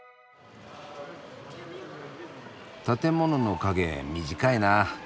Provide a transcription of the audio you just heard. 建物の影短いなあ。